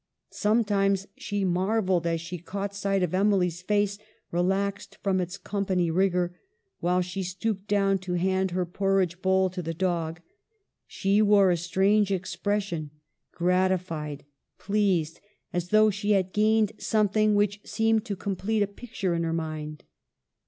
Sometimes she marvelled as she caught sight of Emily's face, relaxed from its company rigor, while she stooped down to hand her por ridge bowl to the dog : she wore a strange ex pression, gratified, pleased, as though she had gained something which seemed to complete a picture in her mind.